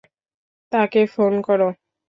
তাকে ফোন করো।